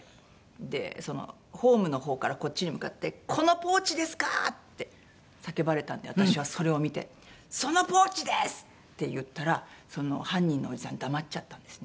でホームの方からこっちに向かって「このポーチですか？」って叫ばれたんで私はそれを見て「そのポーチです」って言ったらその犯人のおじさん黙っちゃったんですね。